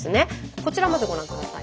こちらまずご覧下さい。